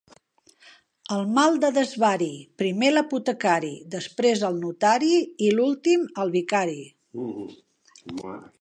El mal de desvari, primer l'apotecari, després el notari i l'últim el vicari.